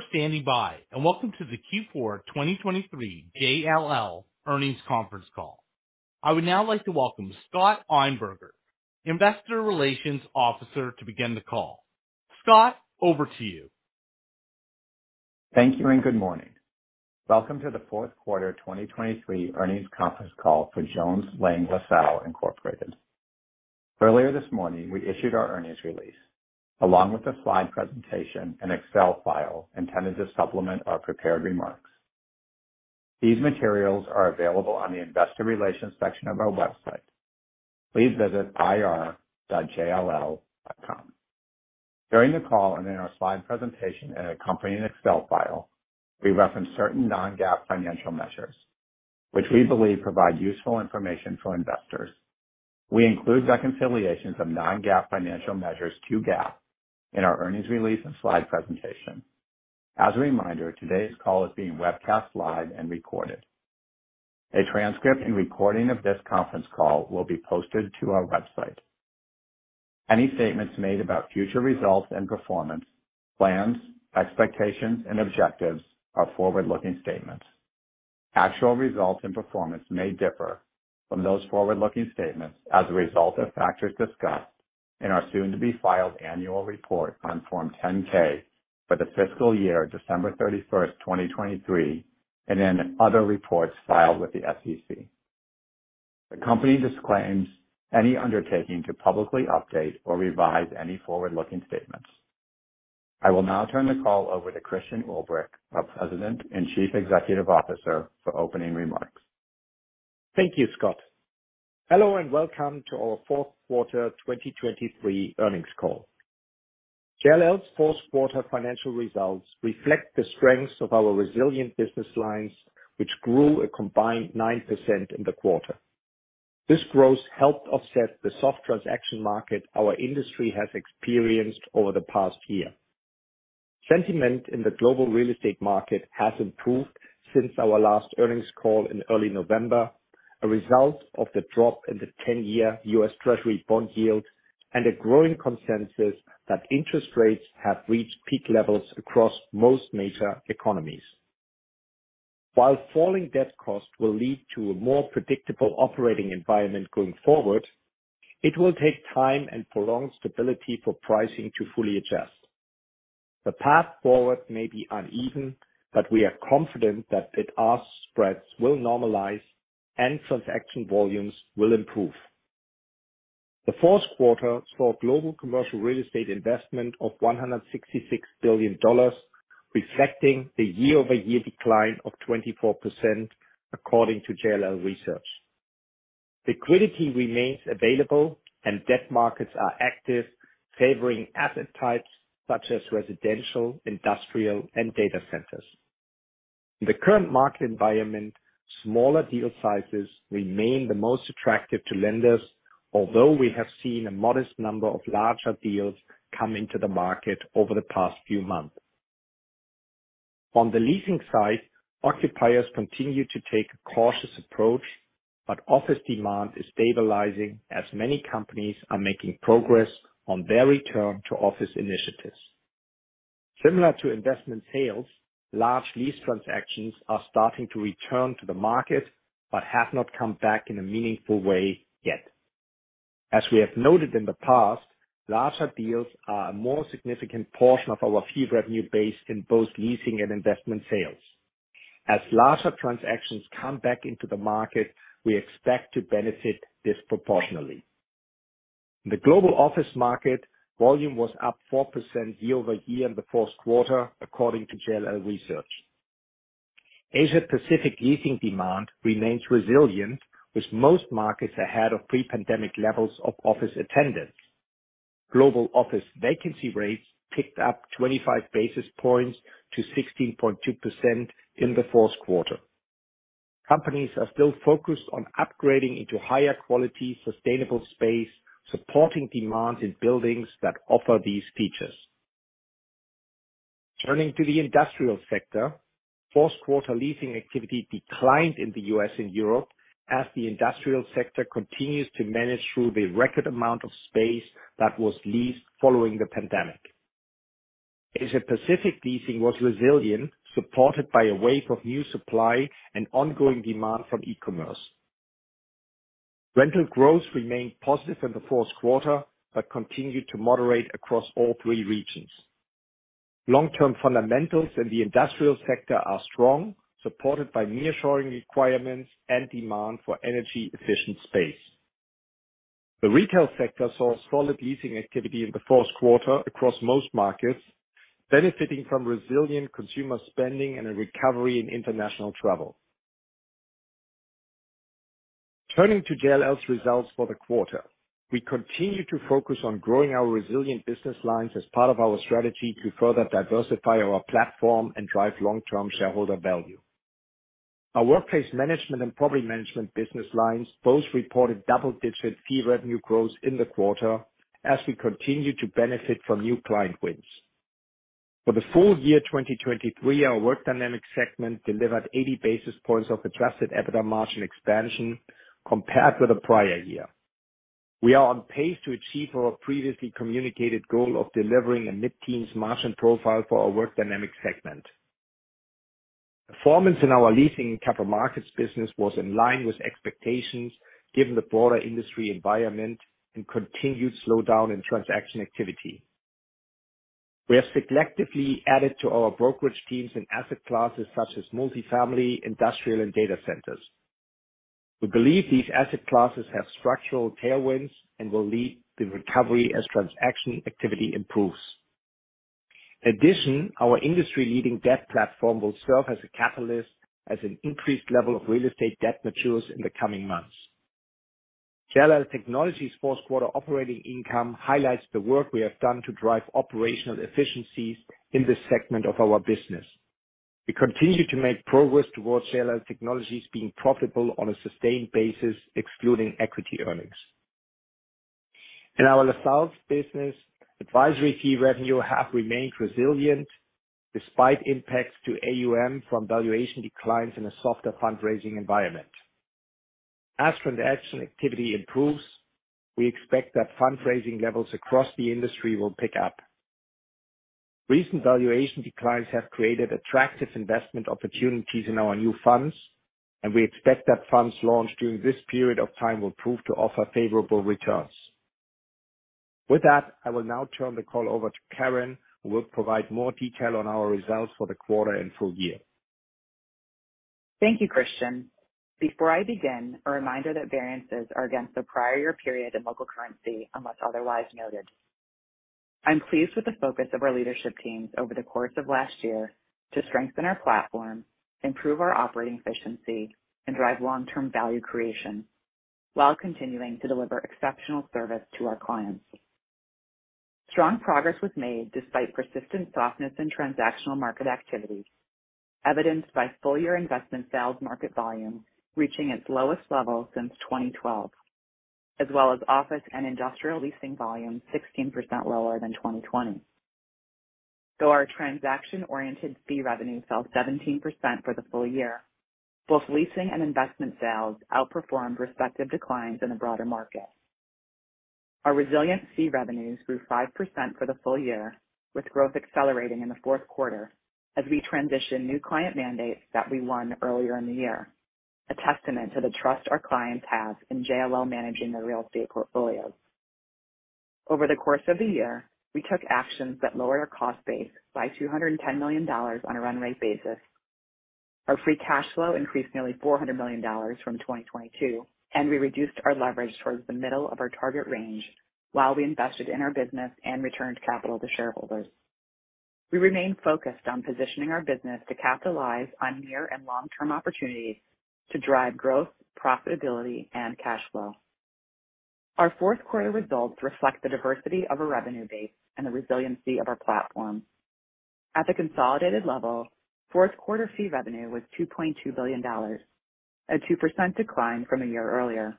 Thanks for standing by, and welcome to the Q4 2023 JLL Earnings Conference Call. I would now like to welcome Scott Einberger, investor relations officer, to begin the call. Scott, over to you. Thank you, and good morning. Welcome to the Q4 2023 Earnings Conference Call For Jones Lang LaSalle Incorporated. Earlier this morning, we issued our earnings release, along with a slide presentation and Excel file intended to supplement our prepared remarks. These materials are available on the Investor Relations section of our website. Please visit ir.jll.com. During the call and in our slide presentation and accompanying Excel file, we reference certain non-GAAP financial measures, which we believe provide useful information for investors. We include reconciliations of non-GAAP financial measures to GAAP in our earnings release and slide presentation. As a reminder, today's call is being webcast live and recorded. A transcript and recording of this conference call will be posted to our website. Any statements made about future results and performance, plans, expectations, and objectives are forward-looking statements. Actual results and performance may differ from those forward-looking statements as a result of factors discussed in our soon-to-be-filed annual report on Form 10-K for the fiscal year, December 31, 2023, and in other reports filed with the SEC. The company disclaims any undertaking to publicly update or revise any forward-looking statements. I will now turn the call over to Christian Ulbrich, our President and Chief Executive Officer, for opening remarks. Thank you, Scott. Hello, and welcome to our Q4 2023 Earnings Call. JLL's Q4 financial results reflect the strengths of our resilient business lines, which grew a combined 9% in the quarter. This growth helped offset the soft transaction market our industry has experienced over the past year. Sentiment in the global real estate market has improved since our last earnings call in early November, a result of the drop in the 10-year U.S. Treasury bond yield and a growing consensus that interest rates have reached peak levels across most major economies. While falling debt costs will lead to a more predictable operating environment going forward, it will take time and prolonged stability for pricing to fully adjust. The path forward may be uneven, but we are confident that bid-ask spreads will normalize and transaction volumes will improve. The Q4 saw global commercial real estate investment of $166 billion, reflecting the YoY decline of 24%, according to JLL Research. Liquidity remains available, and debt markets are active, favoring asset types such as residential, industrial, and data centers. In the current market environment, smaller deal sizes remain the most attractive to lenders, although we have seen a modest number of larger deals come into the market over the past few months. On the leasing side, occupiers continue to take a cautious approach, but office demand is stabilizing as many companies are making progress on their return to office initiatives. Similar to investment sales, large lease transactions are starting to return to the market, but have not come back in a meaningful way yet. As we have noted in the past, larger deals are a more significant portion of our fee revenue base in both leasing and investment sales. As larger transactions come back into the market, we expect to benefit disproportionately. The global office market volume was up 4% YoY in the Q1, according to JLL Research. Asia Pacific leasing demand remains resilient, with most markets ahead of pre-pandemic levels of office attendance. Global office vacancy rates picked up 25 basis points to 16.2% in the Q4. Companies are still focused on upgrading into higher quality, sustainable space, supporting demand in buildings that offer these features. Turning to the industrial sector, Q4 leasing activity declined in the U.S. and Europe as the industrial sector continues to manage through the record amount of space that was leased following the pandemic. Asia Pacific leasing was resilient, supported by a wave of new supply and ongoing demand from e-commerce. Rental growth remained positive in the Q4, but continued to moderate across all three regions. Long-term fundamentals in the industrial sector are strong, supported by nearshoring requirements and demand for energy-efficient space. The retail sector saw solid leasing activity in the Q4 across most markets, benefiting from resilient consumer spending and a recovery in international travel. Turning to JLL's results for the quarter. We continue to focus on growing our resilient business lines as part of our strategy to further diversify our platform and drive long-term shareholder value. Our Workplace Management and Property Management business lines both reported double-digit fee revenue growth in the quarter as we continue to benefit from new client wins. For the full year 2023, our Work Dynamics segment delivered 80 basis points of Adjusted EBITDA margin expansion compared with the prior year. We are on pace to achieve our previously communicated goal of delivering a mid-teens margin profile for our Work Dynamics segment. Performance in our Leasing and Capital Markets business was in line with expectations, given the broader industry environment and continued slowdown in transaction activity. We have selectively added to our brokerage teams in asset classes such as multifamily, industrial, and data centers. We believe these asset classes have structural tailwinds and will lead the recovery as transaction activity improves. In addition, our industry-leading debt platform will serve as a catalyst as an increased level of real estate debt matures in the coming months. JLL Technologies Q4 operating income highlights the work we have done to drive operational efficiencies in this segment of our business. We continue to make progress towards JLL Technologies being profitable on a sustained basis, excluding equity earnings. In our LaSalle business, advisory fee revenue have remained resilient despite impacts to AUM from valuation declines in a softer fundraising environment. As transaction activity improves, we expect that fundraising levels across the industry will pick up. Recent valuation declines have created attractive investment opportunities in our new funds, and we expect that funds launched during this period of time will prove to offer favorable returns. With that, I will now turn the call over to Karen, who will provide more detail on our results for the quarter and full year. Thank you, Christian. Before I begin, a reminder that variances are against the prior year period in local currency, unless otherwise noted. I'm pleased with the focus of our leadership teams over the course of last year to strengthen our platform, improve our operating efficiency, and drive long-term value creation, while continuing to deliver exceptional service to our clients. Strong progress was made despite persistent softness in transactional market activity, evidenced by full-year investment sales market volume reaching its lowest level since 2012, as well as office and industrial leasing volume 16% lower than 2020. Though our transaction-oriented fee revenue fell 17% for the full year, both leasing and investment sales outperformed respective declines in the broader market. Our resilient fee revenues grew 5% for the full year, with growth accelerating in the Q4 as we transition new client mandates that we won earlier in the year, a testament to the trust our clients have in JLL managing their real estate portfolios. Over the course of the year, we took actions that lowered our cost base by $210 million on a run rate basis. Our free cash flow increased nearly $400 million from 2022, and we reduced our leverage towards the middle of our target range while we invested in our business and returned capital to shareholders. We remain focused on positioning our business to capitalize on near and long-term opportunities to drive growth, profitability, and cash flow. Our Q4 results reflect the diversity of our revenue base and the resiliency of our platform. At the consolidated level, Q4 fee revenue was $2.2 billion, a 2% decline from a year earlier.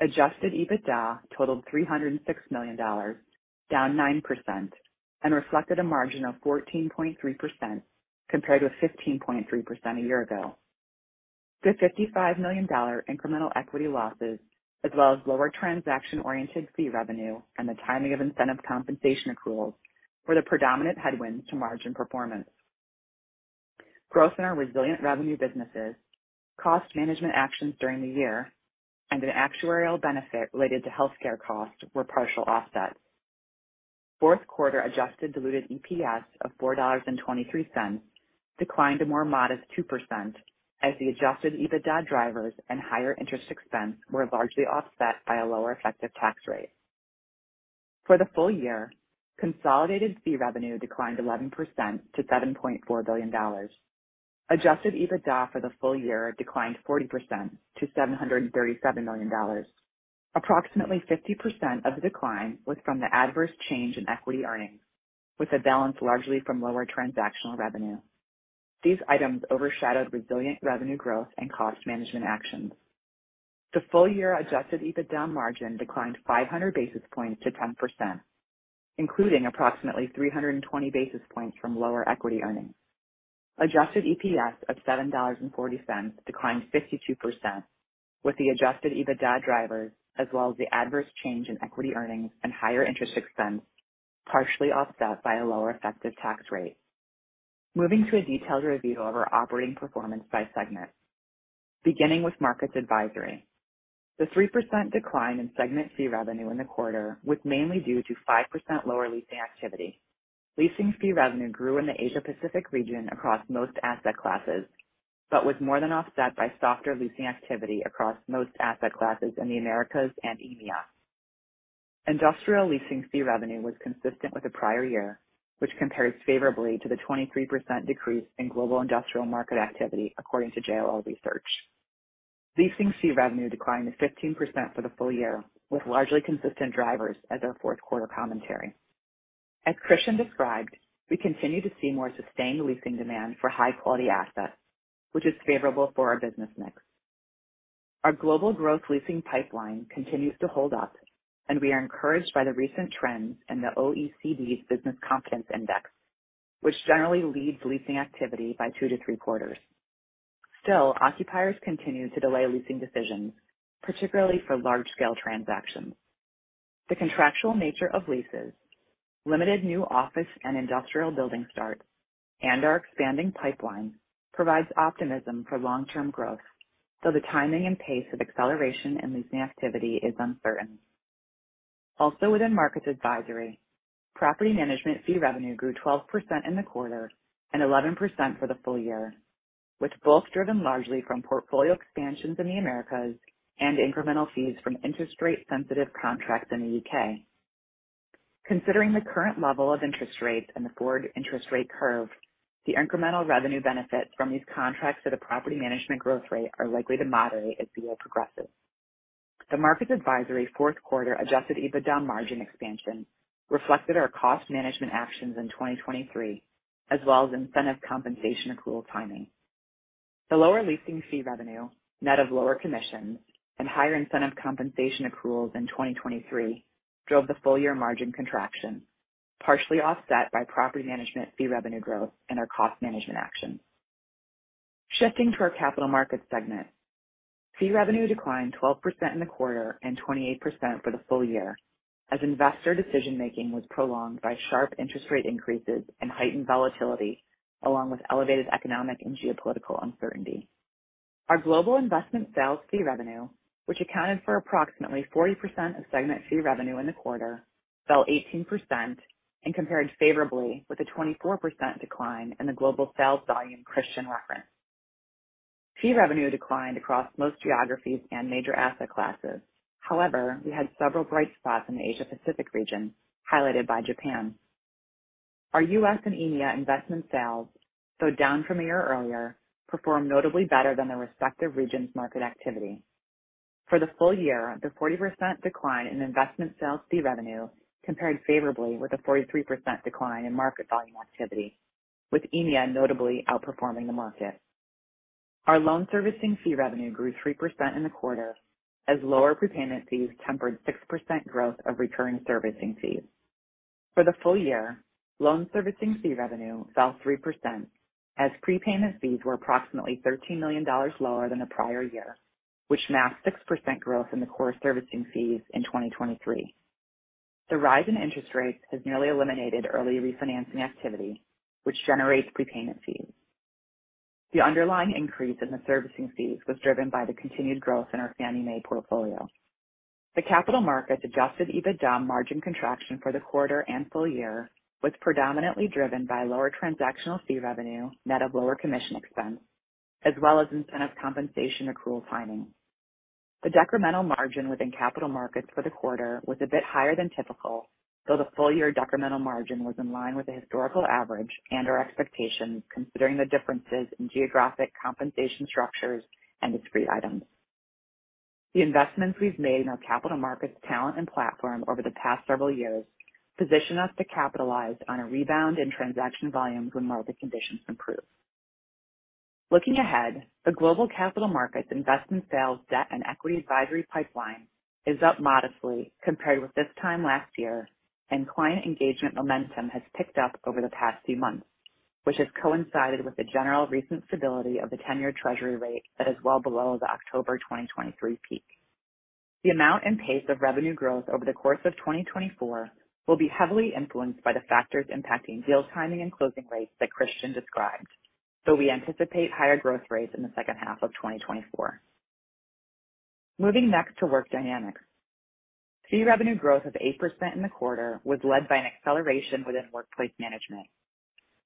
Adjusted EBITDA totaled $306 million, down 9%, and reflected a margin of 14.3%, compared with 15.3% a year ago. The $55 million incremental equity losses, as well as lower transaction-oriented fee revenue and the timing of incentive compensation accruals, were the predominant headwinds to margin performance. Growth in our resilient revenue businesses, cost management actions during the year, and an actuarial benefit related to healthcare costs were partial offsets. Q4 adjusted diluted EPS of $4.23 declined a more modest 2%, as the adjusted EBITDA drivers and higher interest expense were largely offset by a lower effective tax rate. For the full year, consolidated fee revenue declined 11% to $7.4 billion. Adjusted EBITDA for the full year declined 40% to $737 million. Approximately 50% of the decline was from the adverse change in equity earnings, with the balance largely from lower transactional revenue. These items overshadowed resilient revenue growth and cost management actions. The full-year adjusted EBITDA margin declined 500 basis points to 10%, including approximately 320 basis points from lower equity earnings. Adjusted EPS of $7.40 declined 52%, with the adjusted EBITDA drivers, as well as the adverse change in equity earnings and higher interest expense, partially offset by a lower effective tax rate. Moving to a detailed review of our operating performance by segment. Beginning with Markets Advisory. The 3% decline in segment fee revenue in the quarter was mainly due to 5% lower leasing activity. Leasing fee revenue grew in the Asia Pacific region across most asset classes, but was more than offset by softer leasing activity across most asset classes in the Americas and EMEA. Industrial leasing fee revenue was consistent with the prior year, which compares favorably to the 23% decrease in global industrial market activity, according to JLL Research. Leasing fee revenue declined to 15% for the full year, with largely consistent drivers as our Q4 commentary. As Christian described, we continue to see more sustained leasing demand for high-quality assets, which is favorable for our business mix. Our global growth leasing pipeline continues to hold up, and we are encouraged by the recent trends in the OECD's Business Confidence Index, which generally leads leasing activity by 2 to 3 quarters. Still, occupiers continue to delay leasing decisions, particularly for large-scale transactions. The contractual nature of leases, limited new office and industrial building starts, and our expanding pipeline provides optimism for long-term growth, though the timing and pace of acceleration in leasing activity is uncertain. Also within Markets Advisory, property management fee revenue grew 12% in the quarter and 11% for the full year, with both driven largely from portfolio expansions in the Americas and incremental fees from interest rate sensitive contracts in the U.K. Considering the current level of interest rates and the forward interest rate curve, the incremental revenue benefits from these contracts to the property management growth rate are likely to moderate as the year progresses. The Markets Advisory Q4 Adjusted EBITDA margin expansion reflected our cost management actions in 2023, as well as incentive compensation accrual timing. The lower leasing fee revenue, net of lower commissions and higher incentive compensation accruals in 2023, drove the full year margin contraction, partially offset by property management fee revenue growth and our cost management actions. Shifting to our Capital Markets segment. Fee revenue declined 12% in the quarter and 28% for the full year, as investor decision making was prolonged by sharp interest rate increases and heightened volatility, along with elevated economic and geopolitical uncertainty. Our global investment sales fee revenue, which accounted for approximately 40% of segment fee revenue in the quarter, fell 18% and compared favorably with a 24% decline in the global sales volume Christian referenced. Fee revenue declined across most geographies and major asset classes. However, we had several bright spots in the Asia Pacific region, highlighted by Japan. Our U.S. and EMEA investment sales, though down from a year earlier, performed notably better than the respective regions' market activity. For the full year, the 40% decline in investment sales fee revenue compared favorably with a 43% decline in market volume activity, with EMEA notably outperforming the market. Our Loan Servicing fee revenue grew 3% in the quarter, as lower prepayment fees tempered 6% growth of recurring servicing fees. For the full year, Loan Servicing fee revenue fell 3%, as prepayment fees were approximately $13 million lower than the prior year, which masked 6% growth in the core servicing fees in 2023. The rise in interest rates has nearly eliminated early refinancing activity, which generates prepayment fees. The underlying increase in the servicing fees was driven by the continued growth in our Fannie Mae portfolio. The Capital Markets Adjusted EBITDA margin contraction for the quarter and full year was predominantly driven by lower transactional fee revenue, net of lower commission expense, as well as incentive compensation accrual timing. The decremental margin within Capital Markets for the quarter was a bit higher than typical, though the full year decremental margin was in line with the historical average and our expectations, considering the differences in geographic compensation structures and discrete items. The investments we've made in our Capital Markets talent and platform over the past several years position us to capitalize on a rebound in transaction volumes when market conditions improve. Looking ahead, the global Capital Markets investment sales, debt and equity advisory pipeline is up modestly compared with this time last year, and client engagement momentum has picked up over the past few months, which has coincided with the general recent stability of the 10 year Treasury rate that is well below the October 2023 peak. The amount and pace of revenue growth over the course of 2024 will be heavily influenced by the factors impacting deal timing and closing rates that Christian described, so we anticipate higher growth rates in the second half of 2024. Moving next to Work Dynamics. Fee revenue growth of 8% in the quarter was led by an acceleration within Workplace Management.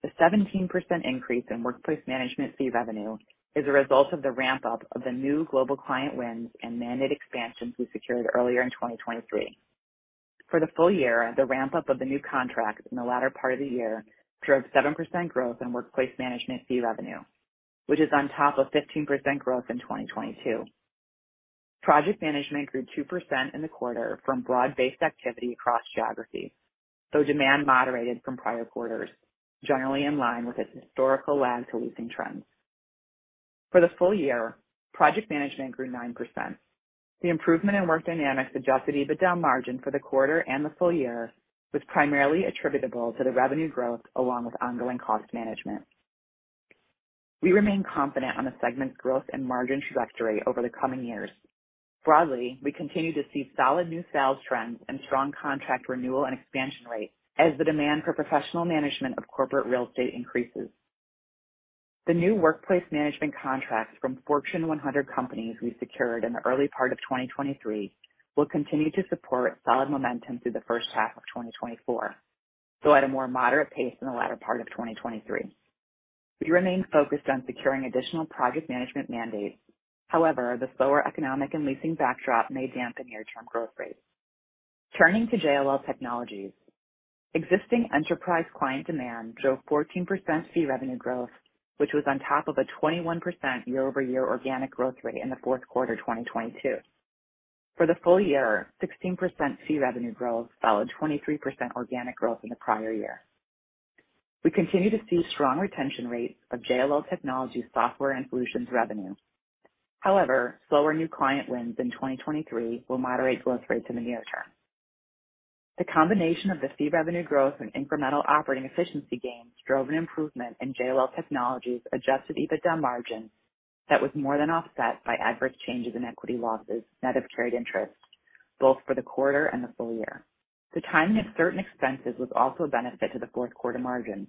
The 17% increase in Workplace Management fee revenue is a result of the ramp-up of the new global client wins and mandate expansions we secured earlier in 2023. For the full year, the ramp-up of the new contracts in the latter part of the year drove 7% growth in Workplace Management fee revenue, which is on top of 15% growth in 2022. Project Management grew 2% in the quarter from broad-based activity across geographies, though demand moderated from prior quarters, generally in line with its historical lag to leasing trends. For the full year, Project Management grew 9%. The improvement in Work Dynamics Adjusted EBITDA margin for the quarter and the full year was primarily attributable to the revenue growth along with ongoing cost management. We remain confident on the segment's growth and margin trajectory over the coming years. Broadly, we continue to see solid new sales trends and strong contract renewal and expansion rates as the demand for professional management of corporate real estate increases. The new Workplace Management contracts from Fortune 100 companies we secured in the early part of 2023 will continue to support solid momentum through the first half of 2024, though at a more moderate pace than the latter part of 2023. We remain focused on securing additional Project Management mandates. However, the slower economic and leasing backdrop may dampen near-term growth rates. Turning to JLL Technologies. Existing enterprise client demand drove 14% fee revenue growth, which was on top of a 21% YoY organic growth rate in the Q4 of 2022. For the full year, 16% fee revenue growth followed 23% organic growth in the prior year. We continue to see strong retention rates of JLL Technologies software and solutions revenue. However, slower new client wins in 2023 will moderate growth rates in the near term. The combination of the fee revenue growth and incremental operating efficiency gains drove an improvement in JLL Technologies' adjusted EBITDA margin that was more than offset by adverse changes in equity losses, net of trade interest, both for the quarter and the full year. The timing of certain expenses was also a benefit to the Q4 margin.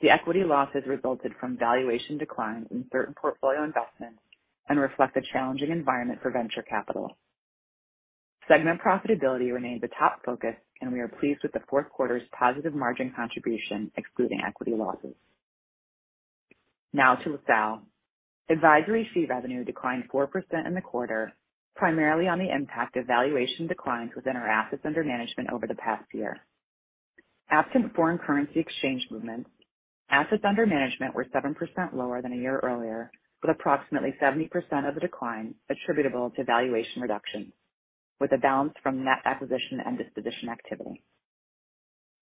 The equity losses resulted from valuation declines in certain portfolio investments and reflect the challenging environment for venture capital. Segment profitability remained the top focus, and we are pleased with the Q4's positive margin contribution, excluding equity losses. Now to LaSalle. Advisory fee revenue declined 4% in the quarter, primarily on the impact of valuation declines within our assets under management over the past year. Absent foreign currency exchange movements, assets under management were 7% lower than a year earlier, with approximately 70% of the decline attributable to valuation reduction, with a balance from net acquisition and disposition activity.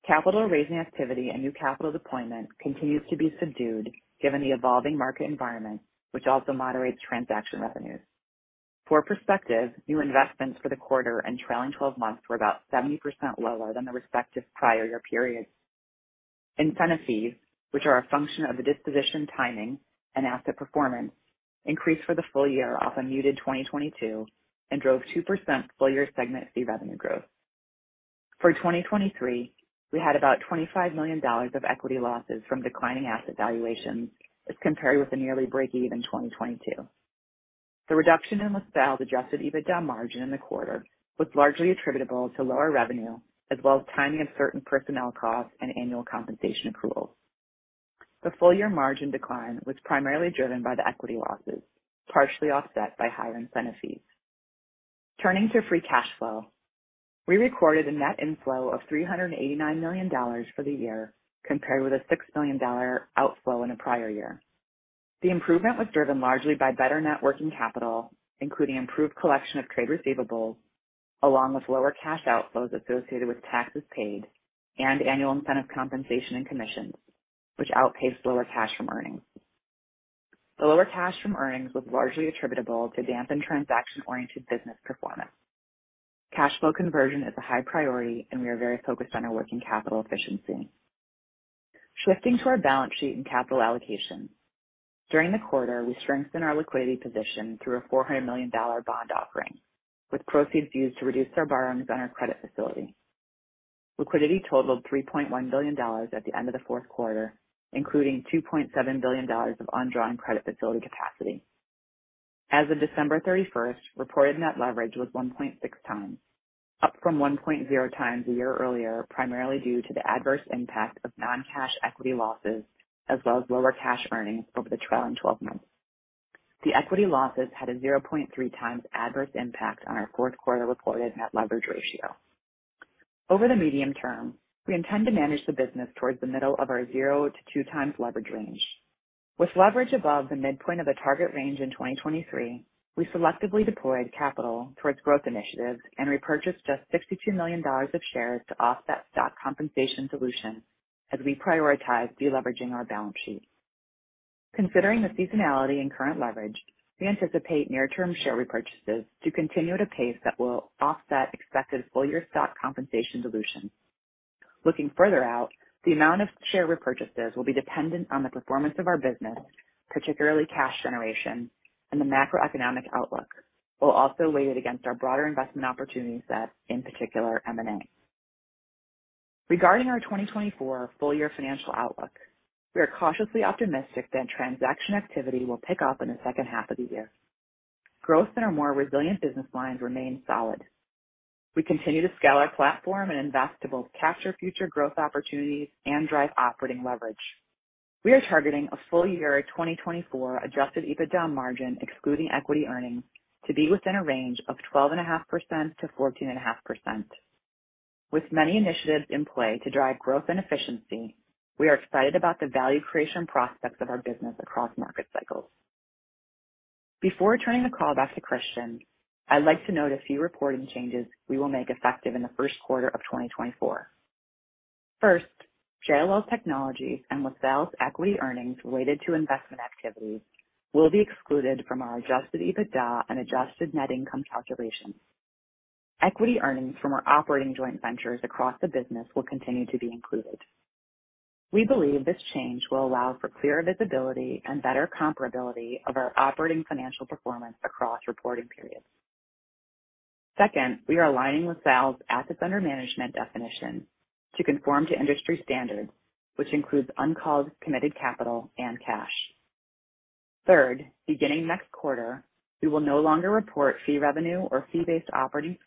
Capital raising activity and new capital deployment continues to be subdued given the evolving market environment, which also moderates transaction revenues. For perspective, new investments for the quarter and trailing 12 months were about 70% lower than the respective prior year period. Incentive fees, which are a function of the disposition, timing, and asset performance, increased for the full year off a muted 2022 and drove 2% full-year segment fee revenue growth. For 2023, we had about $25 million of equity losses from declining asset valuations as compared with a nearly break even in 2022. The reduction in LaSalle's Adjusted EBITDA margin in the quarter was largely attributable to lower revenue, as well as timing of certain personnel costs and annual compensation accruals. The full year margin decline was primarily driven by the equity losses, partially offset by higher incentive fees. Turning to free cash flow. We recorded a net inflow of $389 million for the year, compared with a $6 million outflow in the prior year. The improvement was driven largely by better net working capital, including improved collection of trade receivables, along with lower cash outflows associated with taxes paid and annual incentive compensation and commissions, which outpaced lower cash from earnings. The lower cash from earnings was largely attributable to dampened transaction-oriented business performance. Cash flow conversion is a high priority, and we are very focused on our working capital efficiency. Shifting to our balance sheet and capital allocation. During the quarter, we strengthened our liquidity position through a $400 million bond offering, with proceeds used to reduce our borrowings on our credit facility. Liquidity totaled $3.1 billion at the end of the Q4, including $2.7 billion of undrawn credit facility capacity. As of December 31, reported net leverage was 1.6 times, up from 1.0 times a year earlier, primarily due to the adverse impact of non-cash equity losses as well as lower cash earnings over the trailing 12 months. The equity losses had a 0.3 times adverse impact on our Q4 reported net leverage ratio. Over the medium term, we intend to manage the business towards the middle of our 0 to 2 times leverage range. With leverage above the midpoint of the target range in 2023, we selectively deployed capital towards growth initiatives and repurchased just $62 million of shares to offset stock compensation dilution as we prioritize deleveraging our balance sheet. Considering the seasonality and current leverage, we anticipate near-term share repurchases to continue at a pace that will offset expected full-year stock compensation dilution. Looking further out, the amount of share repurchases will be dependent on the performance of our business, particularly cash generation, and the macroeconomic outlook will also weigh it against our broader investment opportunity set, in particular, M&A. Regarding our 2024 full-year financial outlook, we are cautiously optimistic that transaction activity will pick up in the second half of the year. Growth in our more resilient business lines remains solid. We continue to scale our platform and invest to both capture future growth opportunities and drive operating leverage. We are targeting a full year of 2024 Adjusted EBITDA margin, excluding equity earnings, to be within a range of 12.5%-14.5%. With many initiatives in play to drive growth and efficiency, we are excited about the value creation prospects of our business across market cycles. Before turning the call back to Christian, I'd like to note a few reporting changes we will make effective in the Q1 of 2024. First, JLL Technologies and LaSalle's equity earnings related to investment activities will be excluded from our Adjusted EBITDA and Adjusted net income calculations. Equity earnings from our operating joint ventures across the business will continue to be included. We believe this change will allow for clearer visibility and better comparability of our operating financial performance across reporting periods. Second, we are aligning LaSalle's assets under management definition to conform to industry standards, which includes uncalled, committed capital and cash. Third, beginning next quarter, we will no longer report fee revenue or fee-based OpEx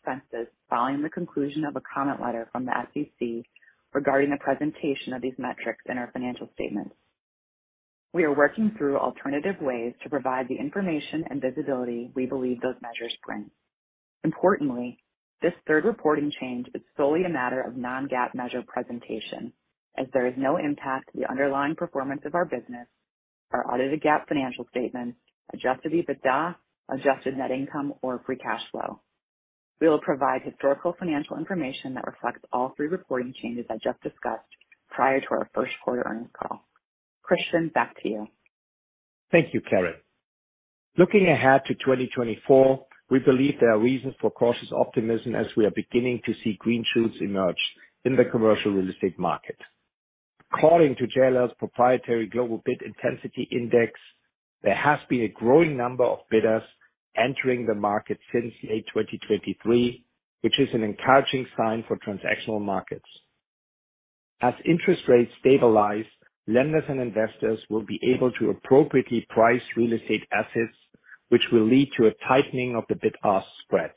following the conclusion of a comment letter from the SEC regarding the presentation of these metrics in our financial statements. We are working through alternative ways to provide the information and visibility we believe those measures bring. Importantly, this third reporting change is solely a matter of non-GAAP measure presentation, as there is no impact to the underlying performance of our business, our audited GAAP financial statements, Adjusted EBITDA, Adjusted net income or Free cash flow. We will provide historical financial information that reflects all three reporting changes I just discussed prior to our Q1 earnings call. Christian, back to you. Thank you, Karen. Looking ahead to 2024, we believe there are reasons for cautious optimism as we are beginning to see green shoots emerge in the commercial real estate market. According to JLL's proprietary Global Bid Intensity Index, there has been a growing number of bidders entering the market since late 2023, which is an encouraging sign for transactional markets. As interest rates stabilize, lenders and investors will be able to appropriately price real estate assets, which will lead to a tightening of the bid-ask spread.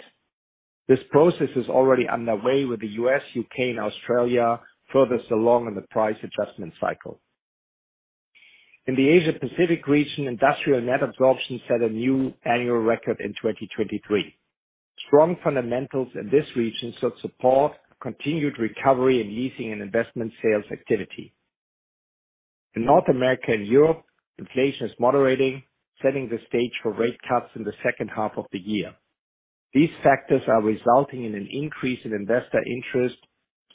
This process is already underway, with the U.S., U.K., and Australia furthest along in the price adjustment cycle. In the Asia Pacific region, industrial net absorption set a new annual record in 2023. Strong fundamentals in this region should support continued recovery in leasing and investment sales activity. In North America and Europe, inflation is moderating, setting the stage for rate cuts in the second half of the year. These factors are resulting in an increase in investor interest,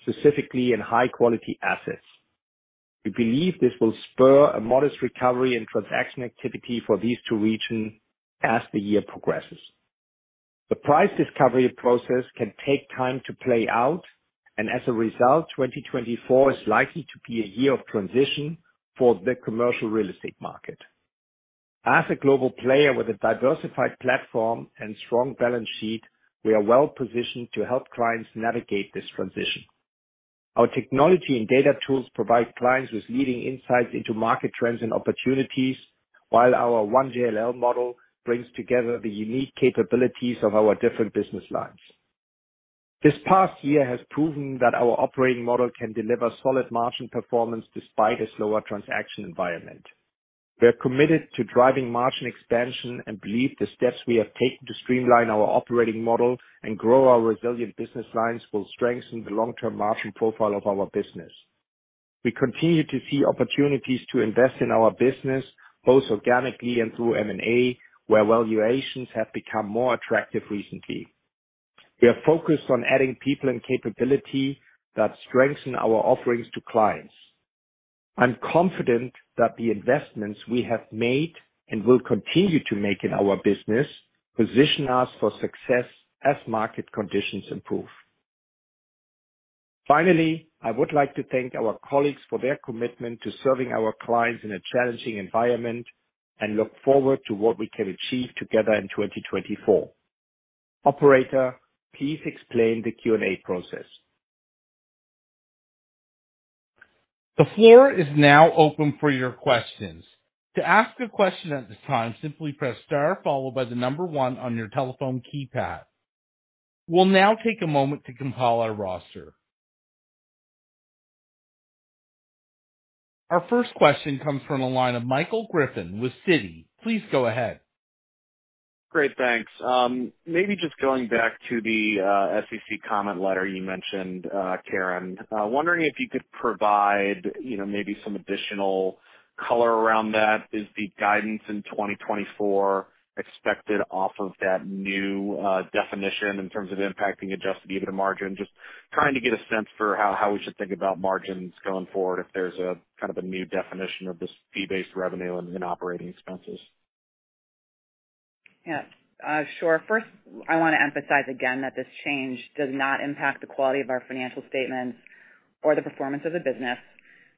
specifically in high-quality assets. We believe this will spur a modest recovery in transaction activity for these two regions as the year progresses. The price discovery process can take time to play out, and as a result, 2024 is likely to be a year of transition for the commercial real estate market. As a global player with a diversified platform and strong balance sheet, we are well positioned to help clients navigate this transition. Our technology and data tools provide clients with leading insights into market trends and opportunities, while our One JLL model brings together the unique capabilities of our different business lines. This past year has proven that our operating model can deliver solid margin performance despite a slower transaction environment. We are committed to driving margin expansion and believe the steps we have taken to streamline our operating model and grow our resilient business lines will strengthen the long-term margin profile of our business. We continue to see opportunities to invest in our business, both organically and through M&A, where valuations have become more attractive recently. We are focused on adding people and capability that strengthen our offerings to clients. I'm confident that the investments we have made and will continue to make in our business, position us for success as market conditions improve. Finally, I would like to thank our colleagues for their commitment to serving our clients in a challenging environment and look forward to what we can achieve together in 2024. Operator, please explain the Q&A process. The floor is now open for your questions. To ask a question at this time, simply press star followed by the number one on your telephone keypad. We'll now take a moment to compile our roster. Our first question comes from the line of Michael Griffin with Citi. Please go ahead. Great, thanks. Maybe just going back to the SEC comment letter you mentioned, Karen. Wondering if you could provide, you know, maybe some additional color around that. Is the guidance in 2024 expected off of that new definition in terms of impacting adjusted EBITDA margin? Just trying to get a sense for how we should think about margins going forward, if there's a kind of a new definition of this fee-based revenue and OpEx. Yeah. Sure. First, I want to emphasize again that this change does not impact the quality of our financial statements or the performance of the business.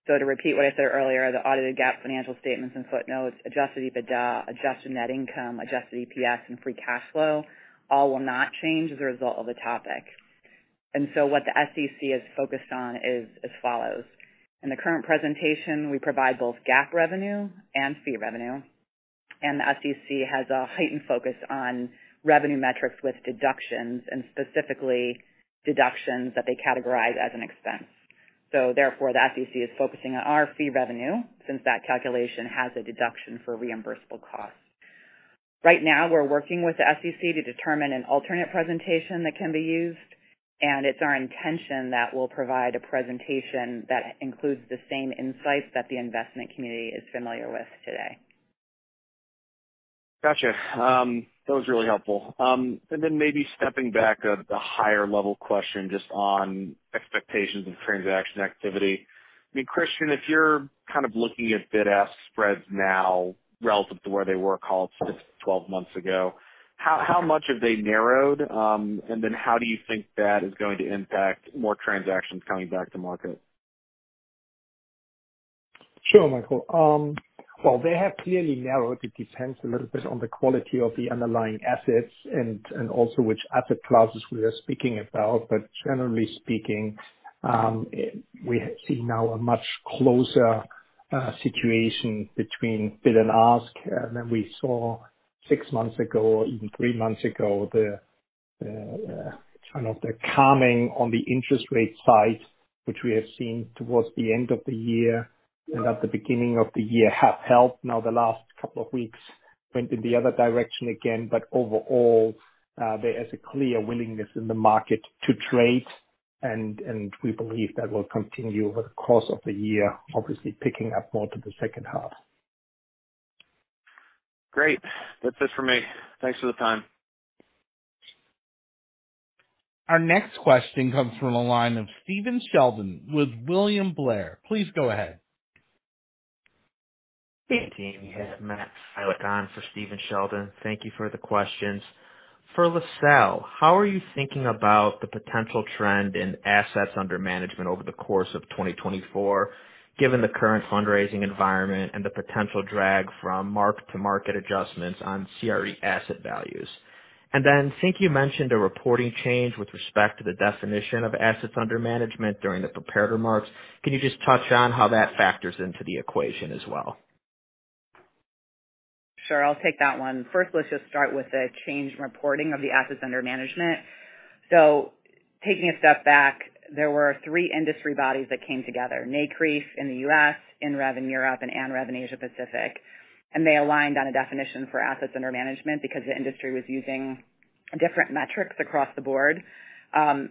So to repeat what I said earlier, the audited GAAP financial statements and footnotes, adjusted EBITDA, adjusted net income, adjusted EPS, and free cash flow, all will not change as a result of the topic. And so what the SEC is focused on is as follows: In the current presentation, we provide both GAAP revenue and fee revenue, and the SEC has a heightened focus on revenue metrics with deductions, and specifically deductions that they categorize as an expense. So therefore, the SEC is focusing on our fee revenue, since that calculation has a deduction for reimbursable costs. Right now, we're working with the SEC to determine an alternate presentation that can be used, and it's our intention that we'll provide a presentation that includes the same insights that the investment community is familiar with today. Gotcha. That was really helpful. And then maybe stepping back a higher level question just on expectations of transaction activity. I mean, Christian, if you're kind of looking at bid-ask spreads now relative to where they were called six to 12 months ago, how, how much have they narrowed? And then how do you think that is going to impact more transactions coming back to market? Sure, Michael. Well, they have clearly narrowed. It depends a little bit on the quality of the underlying assets and, and also which asset classes we are speaking about. But generally speaking, we see now a much closer situation between bid and ask than we saw six months ago, or even three months ago. The kind of the calming on the interest rate side, which we have seen towards the end of the year and at the beginning of the year, have helped. Now, the last couple of weeks went in the other direction again. But overall, there is a clear willingness in the market to trade, and, and we believe that will continue over the course of the year, obviously picking up more to the second half. Great. That's it for me. Thanks for the time. Our next question comes from the line of Steven Sheldon with William Blair. Please go ahead. Hey, team. You have Matt Sullivan on for Steven Sheldon. Thank you for the questions. For LaSalle, how are you thinking about the potential trend in assets under management over the course of 2024, given the current fundraising environment and the potential drag from mark-to-market adjustments on CRE asset values? And then I think you mentioned a reporting change with respect to the definition of assets under management during the prepared remarks. Can you just touch on how that factors into the equation as well? Sure, I'll take that one. First, let's just start with the change in reporting of the assets under management. So taking a step back, there were three industry bodies that came together, NCREIF in the U.S., INREV in Europe, and ANREV in Asia Pacific. And they aligned on a definition for assets under management because the industry was using different metrics across the board.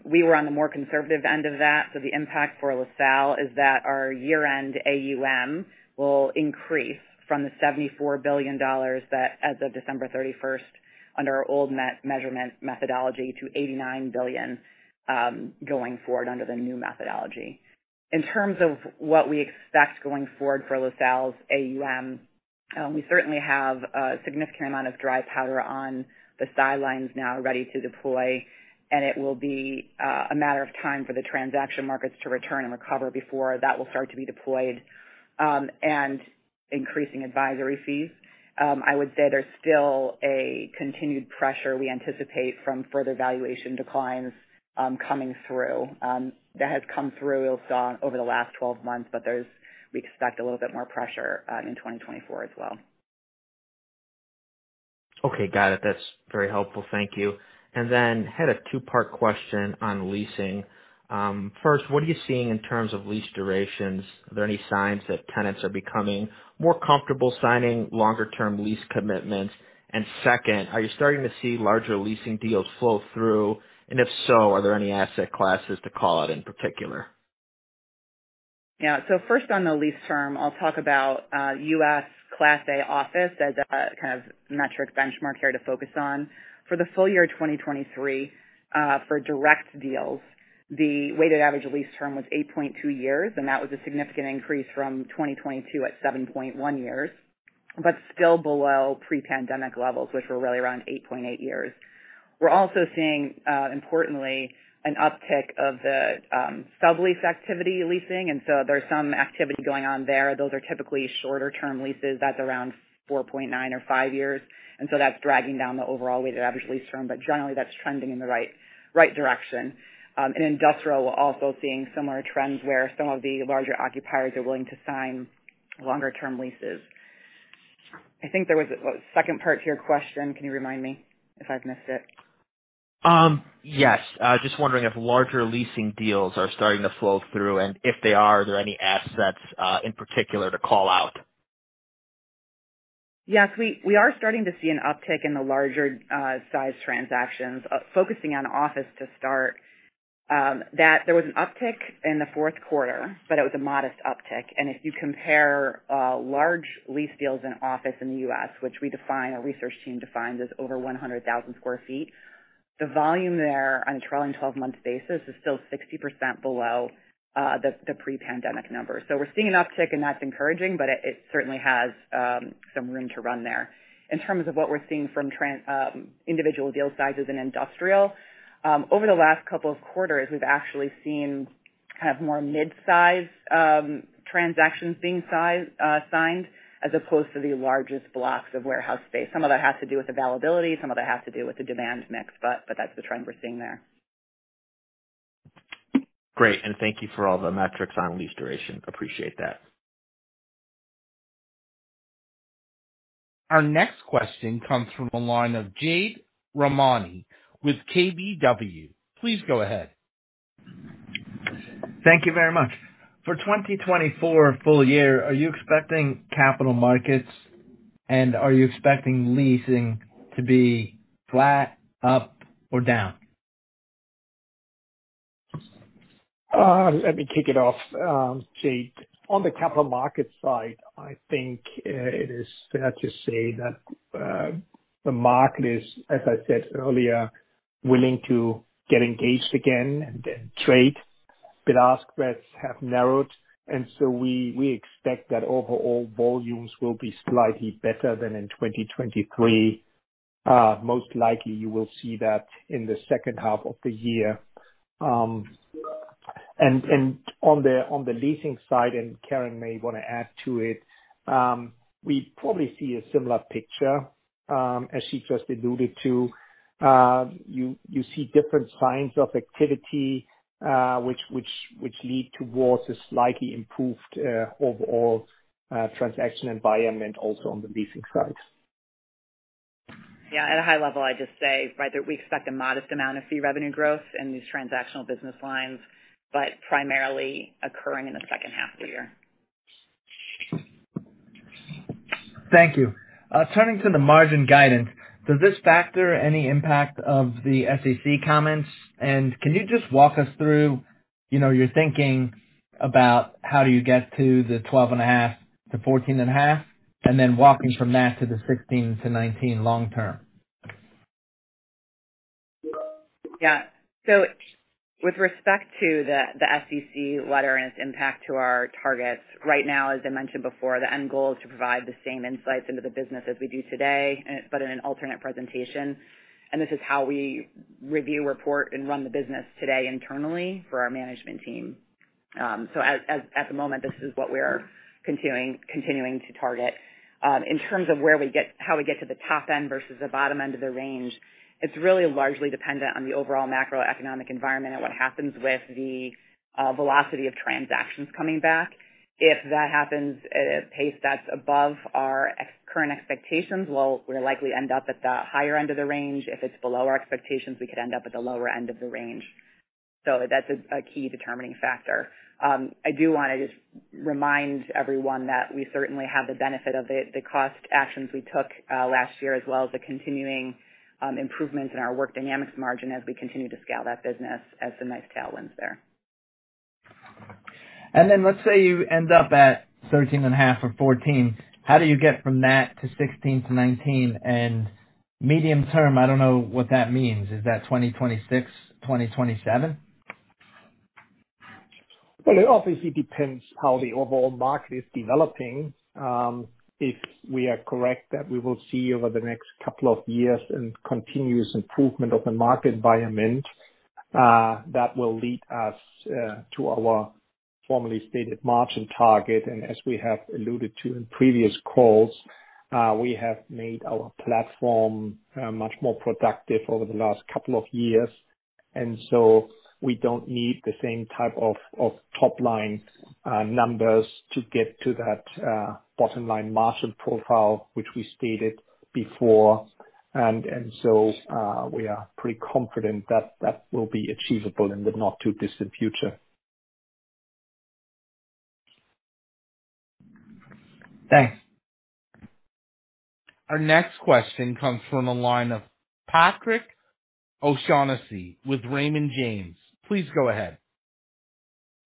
We were on the more conservative end of that. So the impact for LaSalle is that our year-end AUM will increase from the $74 billion that as of December 31st, under our old measurement methodology, to $89 billion, going forward under the new methodology. In terms of what we expect going forward for LaSalle's AUM, we certainly have a significant amount of dry powder on the sidelines now ready to deploy, and it will be a matter of time for the transaction markets to return and recover before that will start to be deployed and increasing advisory fees. I would say there's still a continued pressure we anticipate from further valuation declines coming through. That has come through over the last 12 months, but we expect a little bit more pressure in 2024 as well. Okay, got it. That's very helpful. Thank you. And then had a two-part question on leasing. First, what are you seeing in terms of lease durations? Are there any signs that tenants are becoming more comfortable signing longer term lease commitments? And second, are you starting to see larger leasing deals flow through, and if so, are there any asset classes to call out in particular? Yeah. So first on the lease term, I'll talk about U.S. Class A office as a kind of metric benchmark here to focus on. For the full year 2023, for direct deals, the weighted average lease term was 8.2 years, and that was a significant increase from 2022 at 7.1 years, but still below pre-pandemic levels, which were really around 8.8 years. We're also seeing, importantly, an uptick of the sublease activity leasing, and so there's some activity going on there. Those are typically shorter term leases. That's around 4.9 or 5 years, and so that's dragging down the overall weighted average lease term. But generally, that's trending in the right direction. In industrial, we're also seeing similar trends, where some of the larger occupiers are willing to sign longer term leases. I think there was a second part to your question. Can you remind me if I've missed it? Yes. I was just wondering if larger leasing deals are starting to flow through, and if they are, are there any assets, in particular to call out? Yes, we are starting to see an uptick in the larger size transactions. Focusing on office to start, that there was an uptick in the Q4, but it was a modest uptick. And if you compare large lease deals in office in the U.S., which we define, our research team defines as over 100,000 sq ft, the volume there on a trailing 12 month basis is still 60% below the pre-pandemic numbers. So we're seeing an uptick, and that's encouraging, but it certainly has some room to run there. In terms of what we're seeing from individual deal sizes in industrial, over the last couple of quarters, we've actually seen kind of more mid-size transactions being signed, as opposed to the largest blocks of warehouse space. Some of that has to do with availability, some of that has to do with the demand mix, but that's the trend we're seeing there. Great, and thank you for all the metrics on lease duration. Appreciate that. Our next question comes from the line of Jade Rahmani with KBW. Please go ahead. Thank you very much. For 2024 full year, are you expecting Capital Markets, and are you expecting Leasing to be flat, up, or down? Let me kick it off, Jade. On the capital market side, I think it is fair to say that the market is, as I said earlier, willing to get engaged again and then trade. Bid-ask spreads have narrowed, and so we expect that overall volumes will be slightly better than in 2023. Most likely you will see that in the second half of the year. And on the leasing side, and Karen may want to add to it, we probably see a similar picture. As she just alluded to, you see different signs of activity, which lead towards a slightly improved overall transaction environment also on the leasing side. Yeah, at a high level, I'd just say, right, that we expect a modest amount of fee revenue growth in these transactional business lines, but primarily occurring in the second half of the year. Thank you. Turning to the margin guidance, does this factor any impact of the SEC comments? And can you just walk us through-you know, you're thinking about how do you get to the 12.5%-14.5%, and then walking from that to the 16%-19% long term? Yeah. So with respect to the SEC letter and its impact to our targets, right now, as I mentioned before, the end goal is to provide the same insights into the business as we do today, and but in an alternate presentation. And this is how we review, report, and run the business today internally for our management team. So as at the moment, this is what we are continuing to target. In terms of how we get to the top end versus the bottom end of the range, it's really largely dependent on the overall macroeconomic environment and what happens with the velocity of transactions coming back. If that happens at a pace that's above our current expectations, well, we'll likely end up at the higher end of the range. If it's below our expectations, we could end up at the lower end of the range. So that's a key determining factor. I do want to just remind everyone that we certainly have the benefit of the cost actions we took last year, as well as the continuing improvement in our Work Dynamics margin as we continue to scale that business as the next tail winds there. Then let's say you end up at 13.5 or 14. How do you get from that to 16-19? Medium term, I don't know what that means. Is that 2026, 2027? Well, it obviously depends how the overall market is developing. If we are correct that we will see over the next couple of years a continuous improvement of the market environment, that will lead us to our formerly stated margin target. And as we have alluded to in previous calls, we have made our platform much more productive over the last couple of years, and so we don't need the same type of top line numbers to get to that bottom line margin profile, which we stated before. And so we are pretty confident that that will be achievable in the not-too-distant future. Thanks. Our next question comes from the line of Patrick O'Shaughnessy with Raymond James. Please go ahead.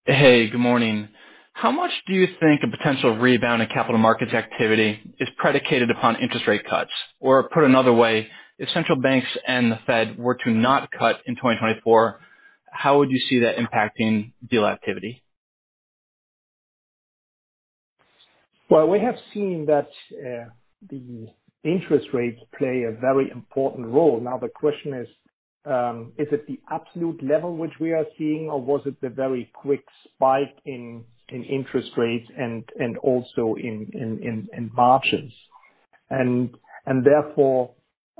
Hey, good morning. How much do you think a potential rebound in capital markets activity is predicated upon interest rate cuts? Or put another way, if central banks and the Fed were to not cut in 2024, how would you see that impacting deal activity? Well, we have seen that the interest rates play a very important role. Now, the question is, is it the absolute level which we are seeing, or was it the very quick spike in interest rates and also in margins? And therefore,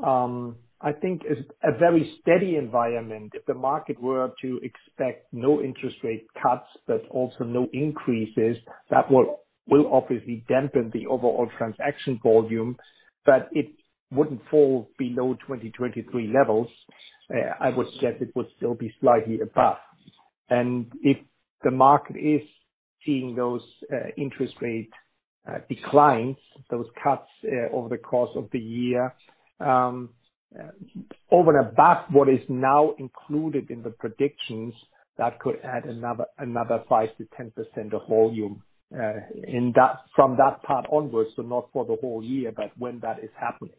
I think it's a very steady environment. If the market were to expect no interest rate cuts, but also no increases, that will obviously dampen the overall transaction volume, but it wouldn't fall below 2023 levels. I would suggest it would still be slightly above. If the market is seeing those interest rate declines, those cuts over the course of the year, over and above what is now included in the predictions, that could add another 5%-10% of volume, in that, from that part onwards, so not for the whole year, but when that is happening.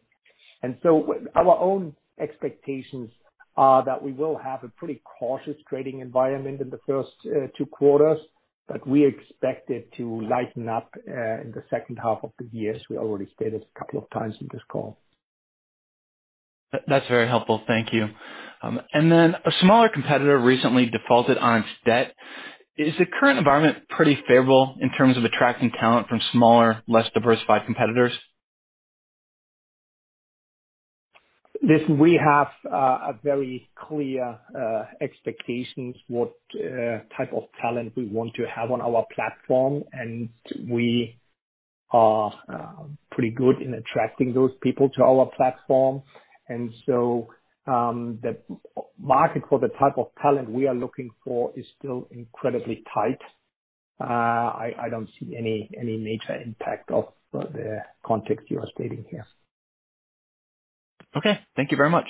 So our own expectations are that we will have a pretty cautious trading environment in the first two quarters, but we expect it to lighten up in the second half of the year, as we already stated a couple of times in this call. That's very helpful. Thank you. And then a smaller competitor recently defaulted on its debt. Is the current environment pretty favorable in terms of attracting talent from smaller, less diversified competitors? Listen, we have a very clear expectations what type of talent we want to have on our platform, and we are pretty good in attracting those people to our platform. So, the market for the type of talent we are looking for is still incredibly tight. I don't see any major impact of the context you are stating here. Okay, thank you very much.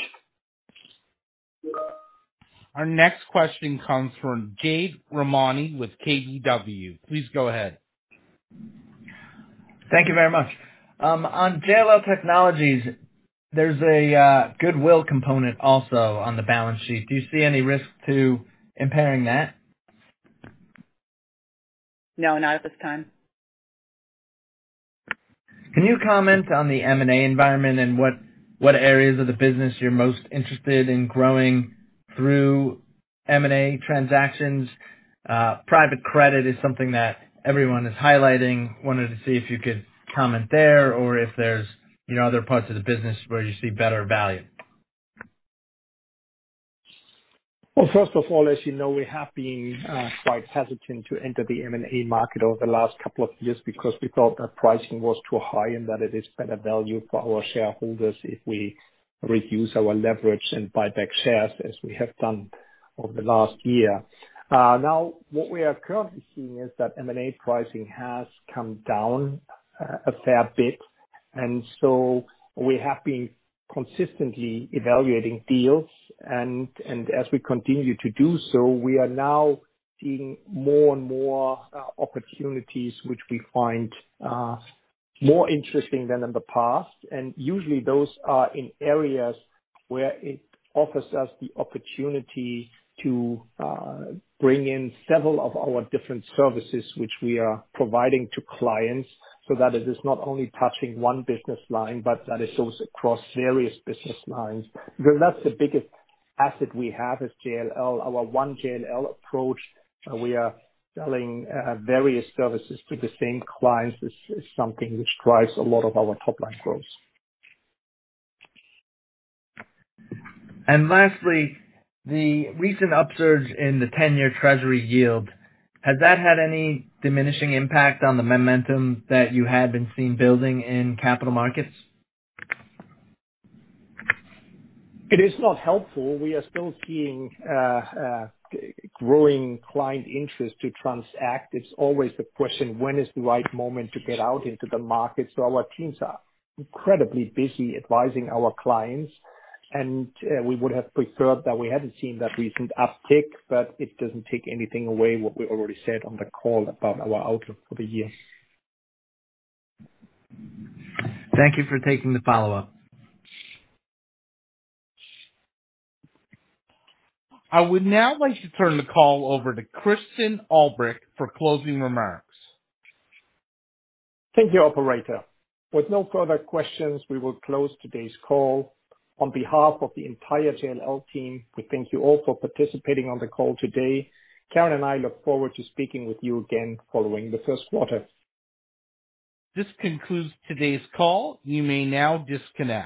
Our next question comes from Jade Rahmani with KBW. Please go ahead. Thank you very much. On JLL Technologies, there's a goodwill component also on the balance sheet. Do you see any risk to impairing that? No, not at this time. Can you comment on the M&A environment and what areas of the business you're most interested in growing through M&A transactions? Private credit is something that everyone is highlighting. Wanted to see if you could comment there or if there's, you know, other parts of the business where you see better value. Well, first of all, as you know, we have been quite hesitant to enter the M&A market over the last couple of years because we felt that pricing was too high and that it is better value for our shareholders if we reduce our leverage and buy back shares, as we have done over the last year. Now, what we are currently seeing is that M&A pricing has come down a fair bit. And so we have been consistently evaluating deals, and as we continue to do so, we are now seeing more and more opportunities which we find more interesting than in the past. Usually those are in areas where it offers us the opportunity to bring in several of our different services which we are providing to clients, so that it is not only touching one business line, but that it goes across various business lines. Because that's the biggest asset we have as JLL, our One JLL approach. We are selling various services to the same clients is something which drives a lot of our top line growth. Lastly, the recent upsurge in the ten-year Treasury yield, has that had any diminishing impact on the momentum that you had been seeing building in Capital Markets? It is not helpful. We are still seeing growing client interest to transact. It's always the question, when is the right moment to get out into the market? So our teams are incredibly busy advising our clients, and we would have preferred that we hadn't seen that recent uptick, but it doesn't take anything away what we already said on the call about our outlook for the year. Thank you for taking the follow-up. I would now like to turn the call over to Christian Ulbrich for closing remarks. Thank you, operator. With no further questions, we will close today's call. On behalf of the entire JLL team, we thank you all for participating on the call today. Karen and I look forward to speaking with you again following the Q1. This concludes today's call. You may now disconnect.